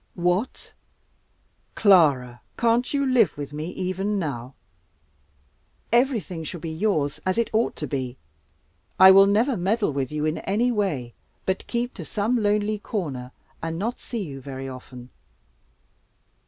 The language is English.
"What, Clara, can't you live with me even now? Everything shall be yours, as it ought to be. I will never meddle with you in any way, but keep to some lonely corner, and not see you very often.